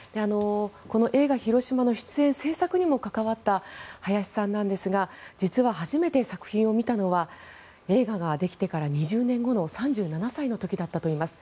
この映画「ひろしま」に出演して製作にも関わった早志さんですが実は、初めて作品を見たのは映画ができてから２０年後の３７歳の時だったといいます。